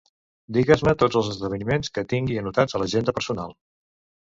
Digues-me tots els esdeveniments que tingui anotats a l'agenda personal.